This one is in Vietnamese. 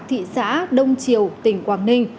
thị xã đông triều tỉnh quảng ninh